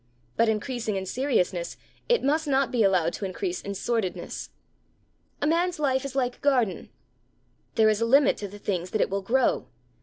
But, increasing in seriousness, it must not be allowed to increase in sordidness. A man's life is like a garden. There is a limit to the things that it will grow.